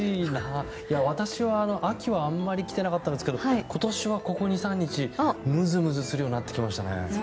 私は秋はあんまり来ていなかったんですが今年はここ２３日むずむずするようになってきましたね。